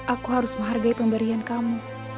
aku harus menghargai pemberian kamu